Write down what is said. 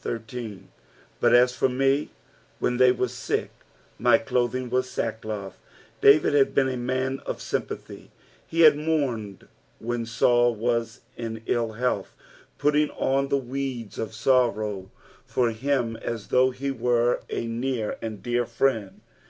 13. " Biit a» for me, when they were tUk, my clothing wn» tadtdoth," David had been a man of sympathy ; he had mourued when Saul was in ill health, putting on the weeds of sorrow for him ns though he were a near and dear friend.